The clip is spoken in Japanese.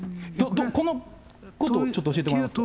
このことをちょっと教えてもらえますか。